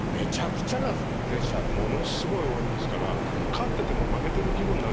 ものすごい応援ですから勝ってても負けてる気分になるんですよ